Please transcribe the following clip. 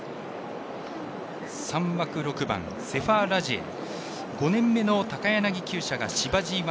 ３枠６番セファーラジエル。